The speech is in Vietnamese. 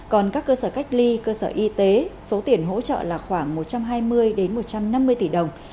còn các cơ sở cách ly cơ sở y tế số tiền hỗ trợ là khoảng một trăm hai mươi một trăm năm mươi tỷ đồng